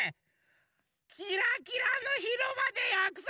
キラキラのひろばでやくそくしてたんだ！